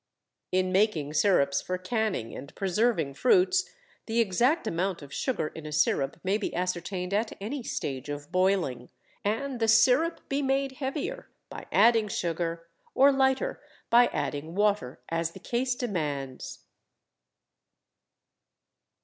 In making sirups for canning and preserving fruits, the exact amount of sugar in a sirup may be ascertained at any stage of boiling, and the sirup be made heavier by adding sugar, or lighter by adding water, as the case demands.